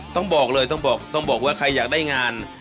ต้องบอกเลยต้องบอกต้องบอกว่าใครอยากได้งาน